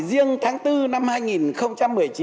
riêng tháng bốn năm hai nghìn một mươi chín